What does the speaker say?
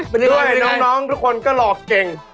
เป็นเรื่องที่ไหนครับด้วยน้องทุกคนก็หลอกเก่ง